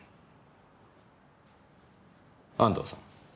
安藤さん。